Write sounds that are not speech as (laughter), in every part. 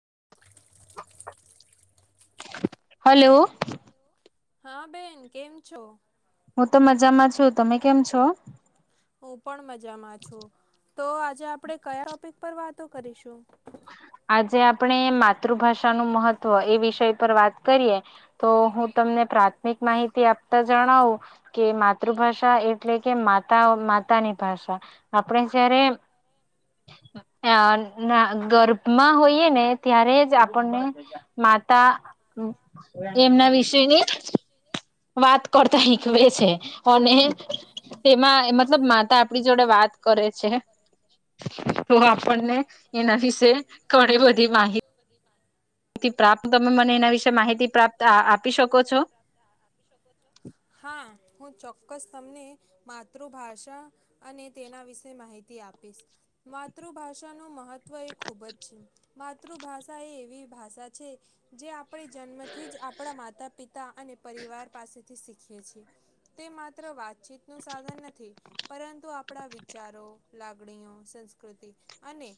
(inaudible) Hello. હા બેન કેમ છો. હું તો મજામાં છું તમે કેમ છો. હું પણ મજામાં છું તો આજે આપણે કયા ટોપિક પર વાત. તો કરીશું. આજે આપણે માતૃભાષાનુંું મહત્વ એ વિષય પર વાત કરીએ તો હું તમને પ્રાથમિક માહિતી આપ. જણાવું કે મા. માતૃભાષા એટલે કે માતા માતાની ભાષા આપણે જયારે ગર્ભ. માં હોઈય ને ત્યારે જ આપણને માતા એમના વિશેની. વાત કરતા કવે છે અને તેમાં મતલબ માતા આપડી જોડે વાત કરે છે તો આપણને એના વિશે. કોણી બધી માહિત. મા પ્રાપ્ત તમે મને એના વિશે માહિતી પ્રાપ્ત આપી શકો છો. હા હું. ચોક્કસ તમને માતૃભાષા અને તેના વિશે માહિતી આપીશ માતૃભાષાનું મહત્ત્વ એ ખૂબ જ છે માતૃભાષા એ એવી ભાષા છે જે. આપણી જન્મથી જ આપણા માતા પિતા. અને પરિવાર પાસેથી. શીખી છે તે માત્ર વાતચીત નું સાધન નથી પરંતુ આપણા વિચારો લાગણીઓ સંસ્કૃતિ અને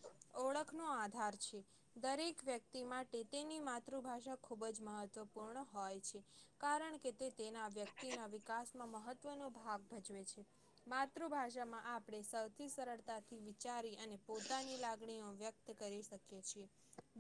ઓળખ નો આધાર છે દરેક વ્યક્તિ માટે તેની માતૃભાષા ખુબ જ મહત્વપૂર્ણ હોય છે. કારણ કે તે તેના વ્યક્તિના વિકાસમાં મહત્વનો ભાગ ભજવે છે માતૃભાષામાં આપણે સૌથી સરળતાથી વિચારી. અને પોતાની લાગણીઓ વ્યક્ત. કરી શકી છીએ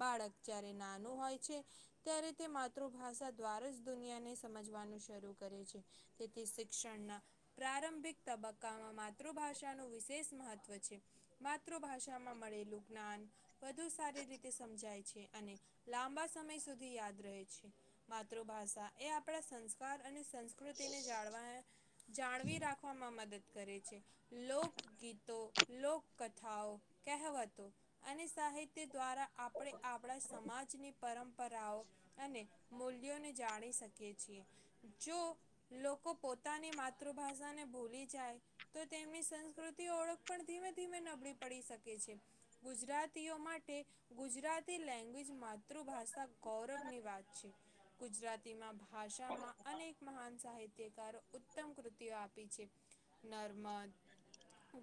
બાળક જ્યારે નાનું હોય છે ત્યારે તે માતૃભાષા દ્વાર જ. દુનિયાને સમજવાનું શરૂ કરે છે તેથી શિક્ષણના પ્રારંભિક તબક્કામાં માત્ર. માતૃભાષાનું વિશેષ મહત્વ. માતૃભાષામાં મળેલું જ્ઞાન વધુ સારી રીતે સમજાય છે, અને લાંબા સમય સુધી યાદ રહે છે, માતૃભાષા એ આપણા સંસ્કાર અને સંસ્કૃતિને જાળવા. જાણવી રાખવામાં મદદ કરે છે લોકગીતો લોક કથાઓ કહેવતો અને સાહિત્ય દ્વારા આપણે આપણા સમાજની પરંપરાઓ અને મૂલ્યોને જાણી શકે છીએ જો લોકો પોતાની માતૃભાષાને ભૂલી જાય તો તેમની સંસ્કૃતિ ઓળખ પણ ધીમે ધીમે નબળી પડી શકે છે ગુજરાતીઓ માટે ગુજરાતી લેંગ્વેજ માતૃભાષા ગૌરવની વાત છે. ગુજરાતીમાં ભાષામાં અનેક મહાન સાહિત્યકારો ઉત્તમ કૃતિઓ આપી છે નર્મદ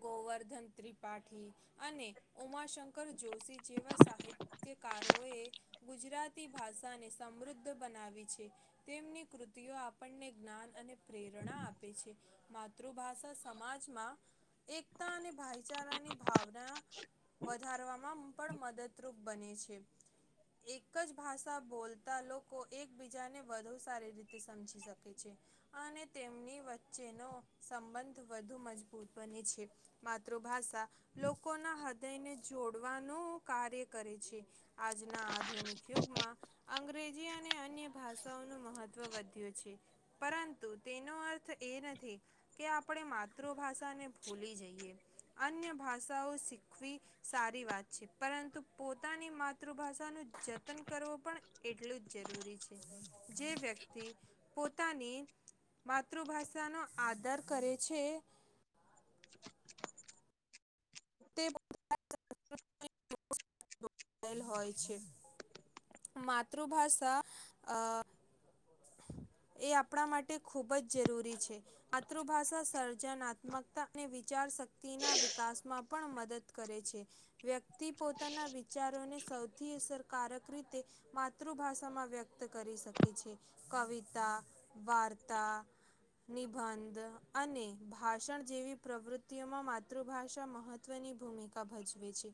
ગોવર્ધન ત્રિપાઠી અને ઉમાશંકર જોશી જેવા સાહિત્યકારોએ ગુજરાતી ભાષાને સમૃદ્ધ તેમની કૃતિઓ આપણને જ્ઞાન અને પ્રેરણા આપે છે. માતૃભાષા સમાજમાં એકતા અને ભાઈચારાની ભાવના વધારવામાં પણ મદદરૂપ બને છે. એક જ ભાષા બોલતા એકબીજાને વધુ સારી રીતે સમજી શકે છે અને તેમની વચ્ચેનો સંબંધ વધુ મજબૂત બને છે, માતૃભાષા લોકો ના હૃદયને જો કાર્ય કરે છે આજના આધુનિક યુગમાં અંગ્રેજ અને અન્ય ભાષાઓનું મહત્ત્વ વધ્યું છે પરંતુ તેનો અર્થ એ નથી કે આપણે માતૃભાષાને ભૂલી જઈએ, અન્ય ભાષાઓ શીખવી સારી વાત છે પરંતુ પોતાની માતૃભાષાનું જતન કરવું પણ એટલું જ જરૂરી છે. જે વ્યક્તિ પોતાની માતૃભાષા નો આદર કરે છે (unintelligible) (inaudible) તે (inaudible) હોય માતૃભાષા અ એ આપણા માટે ખુબ જ જરૂરી છે. માતૃભાષા સર્જનાત્મકતા અને વિચાર શક્તિ ના વિકાસમાં પણ મદદ કરે છે. વ્યક્તિ પોતાના વિચારોને સૌથી અસરકારક રીતે માતૃભાષામાં વ્યક્ત કરી શકે છે. કવિતા વાર્તા નિબંધ અને ભાષણ જેવી પ્રવૃત્તિઓમાં માતૃભાષા મહત્વની ભૂમિકા ભજવે છે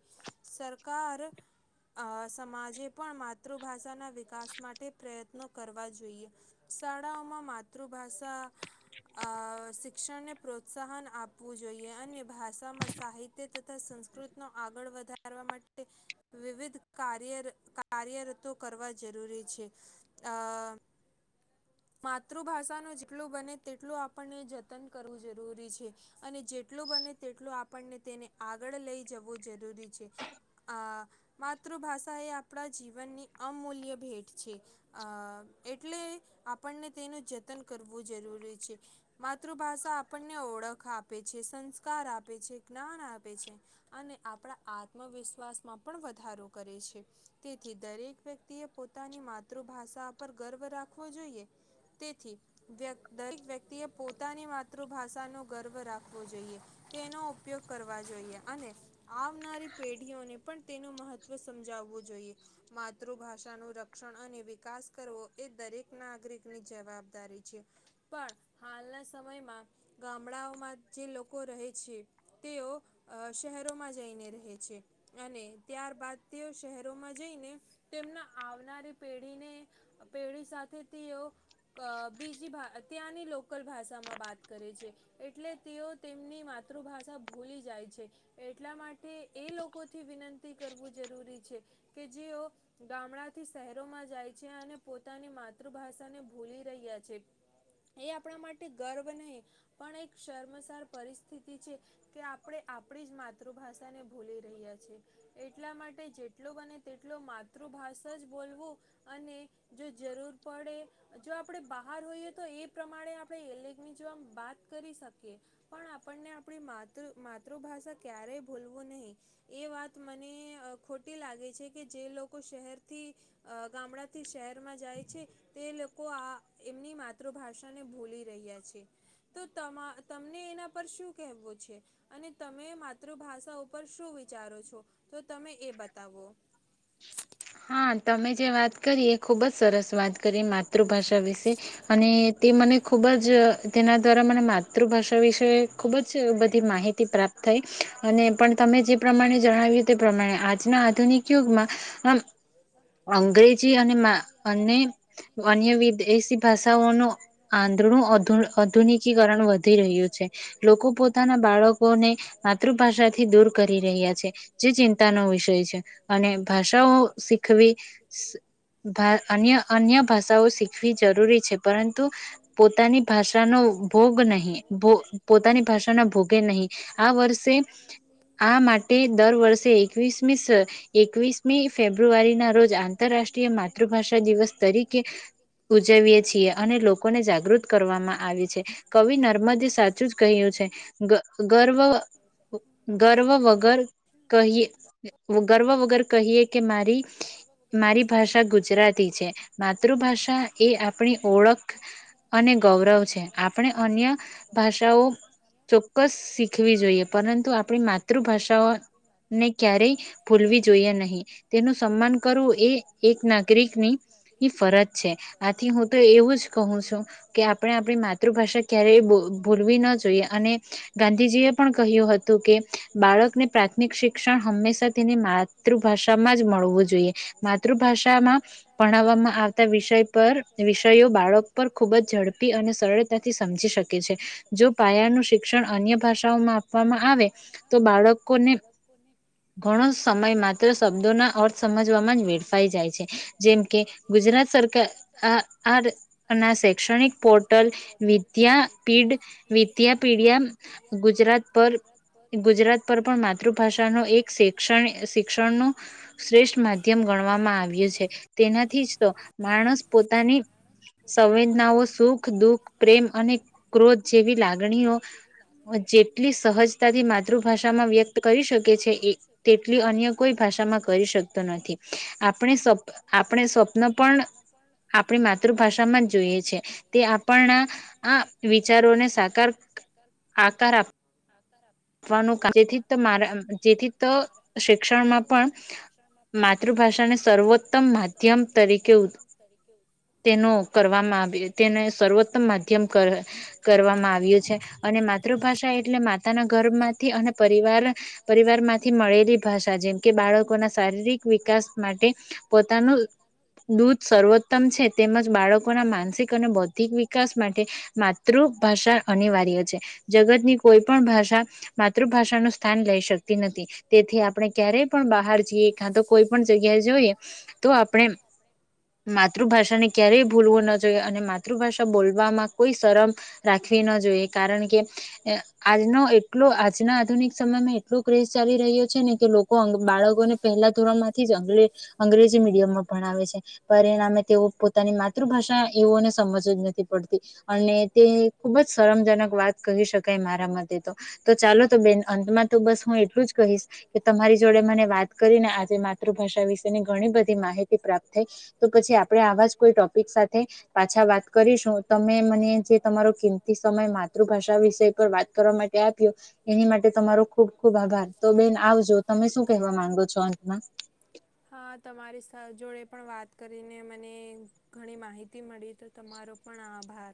સરકાર હ (inaudible) સમાજે પણ માતૃભાષાના વિકાસ માટે પ્રયત્નો કરવા જોઈએ. શાળાઓમાં માતૃભાષા આ શિક્ષણને પ્રોત્સાહન આપવું જોઈએ અને ભાષામાં સાહિત્ય તથા સંસ્કૃત ન આગળ વધારવા માટે વિવિધ કાર્ય કાર્યરતો કરવા જરૂરી છે. આ માતૃભાષાનું જેટલું બને તેટલું આપણને જતન કરવું જરૂરી છે અને જેટલું બને તેટલું આપણને તેને આગળ લઈ જવું જરૂરી છે. આ માતૃભાષા એ આપણા જીવ જીવનની અમૂલ્ય ભેટ છે એટલે આપણને તેનું જતન કરવું જરૂરી છે. માતૃભાષા આપણને ઓળખ આપે છે, સંસ્કાર આપે છે, જ્ઞાન આપે છે અને આપણા આત્મવિશ્વાસમાં વધારો કરે છે. તેથી દરેક વ્યક્તિએ પોતાની માતૃભાષા પર ગર્વ રાખવો જોઈએ. તેથી દરેક વ્યક્તિએ પોતાની માતૃભાષાનો ગર્વ રાખવો જોઈએ. તેનો ઉપયોગ કરવા જોઈએ અને આવનારી પેઢીઓને પણ તેનું મહત્વ સમજાવવું જોઈએ માતૃભાષાનું રક્ષણ અને વિકાસ કરવો એ દરેક નાગરિકની જવાબદારી છે, પણ હાલના સમયમાં ગામડાઓમાં જે લોકો રહે છે તેઓ શહેરોમાં જઈને રહે છે. અને ત્યાર બાદ તેઓ શહેરોમાં જઈને તેમના આવનારી પેઢીને પેઢી સાથે તેઓ બીજી ત્યાંની લોકલ ભાષામાં વાત કરે છે એટલે તેઓ તેમની માતૃભાષા ભૂલી જાય છે એટલા માટે એ લોકો વિનંતી કરવું જરૂરી છે કે જેઓ ગામડાથી શહેરોમાં જાય છે અને પોતાની માતૃભાષાને ભૂલી રહ્યા છે એ આપણા માટે ગર્વ નહીં પણ એક શર્મસાર પરિસ્થિતિ છે કે આપણે આપણી જ માતૃભાષાને ભૂલી રહ્યા છે. એટલા માટે જેટલો બને તેટલો માતૃભાષા જ બોલવું અને જો જરૂર પડે જો આપણે બહાર હોઈએ તો એ પ્રમાણે આપણે એવી જોવા વાત કરી શકીએ પણ આપણને આપણી માતૃ માતૃભાષા ક્યારેય બોલવું નહીં. એ વાત મને ખોટી લાગે છે, કે જે લોકો શહેરથી ગામડાથી શહેર જાય છે. તે લોકો આ એમની માતૃભાષા ને ભોલી રહ્યા છે. તો તમને એના પર શું કેવું છે અને તમે માતૃભાષા ઉપર શું વિચારો છો તો તમે એ બતાવો? હા તમે જે વાત કરી એ ખુબ જ સરસ વાત કરી માતૃભાષા વિશે અને તે મને ખુબ જ તેના દ્વારા પ્રમાણે માતૃભાષા વિશે ખૂબ જ બધી માહિતી પ્રાપ્ત થઈ અને પણ તમે જે પ્રમાણે જણાવ્યું તે પ્રમાણે આજના આધુનિક યુગમાં અંગ્રેજી અને અને અન્ય વિદેશી ભાષાઓનું આંધણું આધુનિકીરણ. ધી રહ્યું છે લોકો પોતાના બાળકોને માતૃભાષાથી દૂર કરી રહ્યા છે, જે ચિંતાનો વિષય છે, અને ભાષાઓ શીખવી અન્ય અન્ય ભાષાઓ શીખવી જરૂરી છે પરંતુ પોતાની ભાષાનો ભોગ પોતાની ભાષાના ભોગે નહીં, આ વર્ષે આ માટે દર વર્ષે એકવીસમી એકવીસ ફેબ્રુઆરી ના રોજ આંતરરાષ્ટ્રીય માતૃભાષા દિવસ તરીકે ઉજવીએ છીએ અને લોકોને જાગૃત કરવામાં આવે છે. નર્મદે સાચું જ કહ્યું છે ગર્વ ગર્વ વગર કહી ગર્વ વગર કહીએ કે મારી મારી ભાષા ગુજરાતી છે માતૃભાષા એ આપણી ઓળખ અને ગૌરવ છે આપણે અન્ય ભાષાઓ ચોક્કસ શીખવી જોઈએ પરંતુ આપણી માતૃભાષાઓને ક્યારેય ભૂલવી જોઈએ નહી તેનું સન્માન કરવું એ એક નાગરિકની ફરજ છે આથી હું તો એવું જ કહું છું કે આપણે આપણી માતૃભાષા ક્યારેય બોલવી ના જોઈએ અને ગાંધી એ પણ કહ્યું હતું કે બાળકને પ્રાથમિક શિક્ષણ હંમેશા તેની માતૃ માતૃભાષામાં જ મળવું જોઈએ માતૃભાષામાં ભણાવવામાં આવતા વિષય પર વિષયો બાળક પર ખૂબ જ ઝડપી અને સરળતાથી સમજી શકે છે જો પાયાનું શિક્ષણ અન્ય આપવામાં આવે તો બાળકોને ઘણો સમય માટે શબ્દો ના અર્થ સમજવામાં જ વેડફાઈ જાય છે જેમકે ગુજરાત સરકાર આ આ ના શૈક્ષણિક પોર્ટલ વિદ્યાપીડ વિદ્યાપીડિયા ગુજરાત પર ગુજરાત પર પણ માતૃભાષા ન એક શૈક્ષણિક શિક્ષણનું શ્રેષ્ઠ માધ્યમ ગણવામાં આવ્યું છે તેનાથી જ તો માણસ પોતાની સંવેદનાઓ સુખ દુઃખ પ્રેમ અને ક્રોધ જેવી લાગણીઓ જેટલી સહજતાથી માતૃભાષામાં વ્યક્ત કરી શકે છે તેટલી અન્ય કોઈ ભાષામાં કરી શકતો નથી આપણે આપણે સ્વપ્ન પણ આપણી મા સમજ જોઈએ છે તે આપણના આ વિચારોને સાકાર આકાર આપ આપવાનુંથી જેથી તો શિક્ષણમાં પણ માતૃભાષાને સર્વોત્તમ માધ્યમ તરીકે તેનો કરવામાં આવ તેને સર્વોત્તમ માધ્યમ કરવામાં આવ્યું છે. અને માતૃભાષા એટલે મા ઘરમાંથી અને પરિવાર પરિવારમાંથી મળેલી ભાષા જેમ કે બાળકોના શારીરિક વિકાસ માટે પોતાનું દૂધ સર્વોત્તમ છે. તેમજ બાળકોના માનસિક અને બૌદ્ધિક વિકાસ માટે માતૃ ભાષા અનિવાર્ય છે. જગતની કોઈ પણ ભાષા માતૃભાષાનુંું સ્થાન લઈ શકતી નથી તેથી આપણે ક્યારેય પણ બહાર જઈએ કા તો કોઈ પણ જગ્યાએ જોઈએ તો આપણે માતૃભાષાને ક્યારેય ભૂલવું ન જોઈએ અને માતૃભાષા બોલવામાં કોઈ શરમ રાખવી ન જોઈએ કારણ કે આજનો એક એટલો આજના આધુનિક સમયમાં એટલો ક્રેઝ ચાલી રહ્યો છે ને કે લોકો બાળકોને પહેલા ધોરણ માંથી જંગ અંગ્રેજી મીડિયમમાં ભણાવે છે પરિણામે તેઓ પોતાની માતૃભાષા એવોને સમજ જ નથી પડતી અને તે ખુબ જ શરમજનક વાત કહી શકાય મારા મ તો ચાલો તો બેન અંતમાં તો બસ હું એટલું જ કહીશ કે તમારી જોડે મને વાત કરીને આજે માતૃભાષા વિશેની ઘણી બધી માહિતી પ્રાપ્ત થઈ તો પછી આપણેે આવા જ કોઈ ટોપિક સાથે પાછા વાત કરીશું તમે મને જે તમારો કિંમતી સમય માતૃભાષા વિષય પર વાત આપ્યો એની માટે તમારો ખુબ ખુબ આભાર તો બેન આવજો તમે શું કહેવા માંગો છો અંતમાં જોડે પણ વાત કરીને મને ઘણી માહિતી મળી તો તમારો પણ આભાર